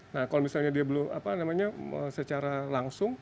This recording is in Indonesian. nah kalau misalnya dia belum apa namanya secara langsung